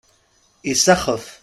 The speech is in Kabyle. Isaxef.